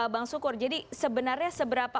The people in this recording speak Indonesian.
bang sukur sebenarnya seberapa